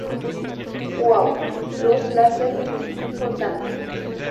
¡ Uau! ¡ luz láser pulsante!